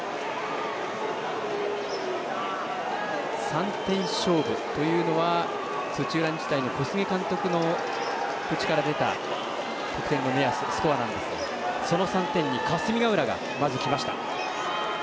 ３点勝負というのは、土浦日大の小菅監督の口から出た得点の目安スコアなんですがその３点に霞ヶ浦がまずきました。